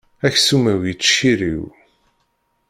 Aksum-iw yettciriw.